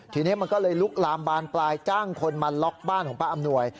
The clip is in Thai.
ทีนี้มันก็เลยลุกลามบานปลายจ้างคนมาล็อกบ้านของป้าอำนวย